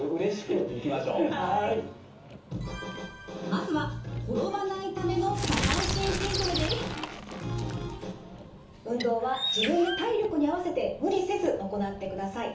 まずは運動は自分の体力に合わせて無理せず行ってください。